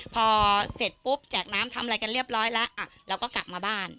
พอเสร็จปุ๊บแจกน้ำทำอะไรกันเรียบร้อยแล้วเราก็กลับมาบ้าน